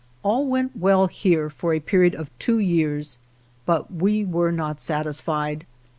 All went well here for a period of two years, but we were not satisfied.